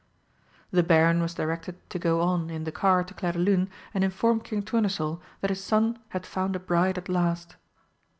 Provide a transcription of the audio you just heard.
The Baron was directed to go on in the car to Clairdelune and inform King Tournesol that his son had found a bride at last.